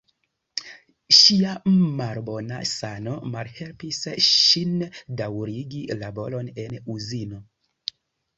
Ŝia malbona sano malhelpis ŝin daŭrigi laboron en uzino.